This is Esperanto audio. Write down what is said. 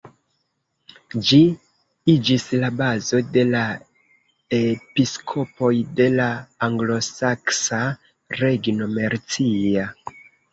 Ĝi iĝis la bazo de la episkopoj de la anglosaksa regno Mercia.